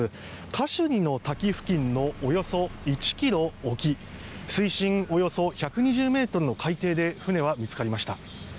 カシュニの滝付近のおよそ１ｋｍ沖水深およそ１２０ｍの海底で船は見つかりました。